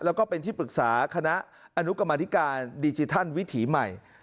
แล้วก็เป็นที่ปรึกษาคณะอนุกรรมธิการดิจิทัลวิถีใหม่